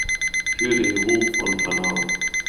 Für den Ruhm von Panau!